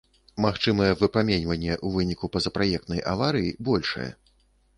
Магчымае выпраменьванне ў выніку пазапраектнай аварыі большае.